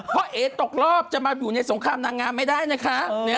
เพราะเอ๋ตกรอบจะมาอยู่ในสงครามนางงามไม่ได้นะคะ